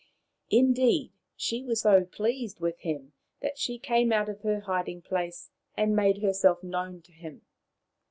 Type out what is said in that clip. Indeed, she was so pleased with him that she came out of her hiding place and made herself known to him.